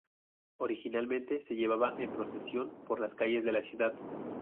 Originalmente se llevaba en procesión por las calles de la ciudad.